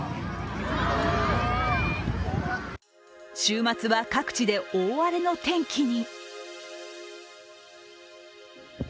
週末は各地で大荒れの天気に。